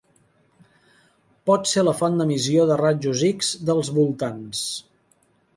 Pot ser la font d'emissió de rajos X dels voltants.